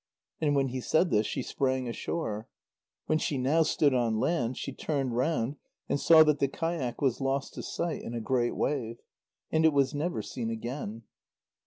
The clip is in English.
And when he said this, she sprang ashore. When she now stood on land, she turned round and saw that the kayak was lost to sight in a great wave. And it was never seen again.